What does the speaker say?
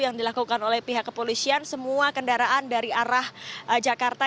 yang dilakukan oleh pihak kepolisian semua kendaraan dari arah jakarta